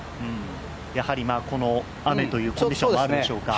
やはり雨というコンディションもあるんでしょうか。